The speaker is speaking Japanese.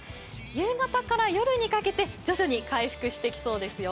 夕方から夜にかけて徐々に回復してきそうですよ。